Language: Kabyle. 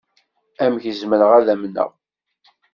Amek zemreɣ ad amneɣ?